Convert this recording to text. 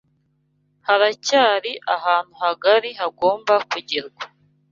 haracyari ahantu hagari hagomba kugerwa